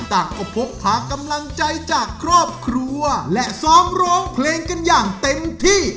ต่างก็พกพากำลังใจจากครอบครัวและซ้อมร้องเพลงกันอย่างเต็มที่